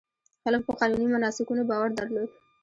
خلکو په قانوني مناسکونو باور درلود.